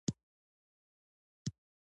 ګوشتې ولسوالۍ ریګي ده؟